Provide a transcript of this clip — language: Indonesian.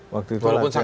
waktu itu latihan perang